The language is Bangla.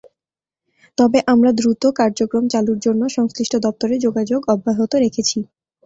তবে আমরা দ্রুত কার্যক্রম চালুর জন্য সংশ্লিষ্ট দপ্তরে যোগাযোগ অব্যাহত রেখেছি।